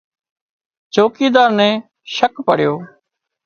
چوڪيڌار نين شڪ پڙيو